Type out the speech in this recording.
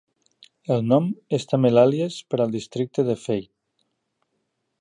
El nom és també l'àlies per al districte de Feigh.